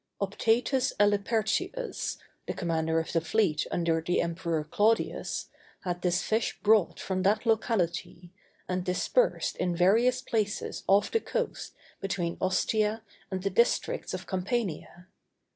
Optatus Elipertius, the commander of the fleet under the Emperor Claudius, had this fish brought from that locality, and dispersed in various places off the coast between Ostia and the districts of Campania.